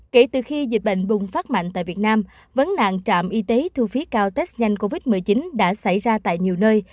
kể từ khi dịch bệnh bùng phát mạnh tại việt nam vấn nạn trạm y tế thu phí cao test nhanh covid một mươi chín đã xảy ra tại nhiều nơi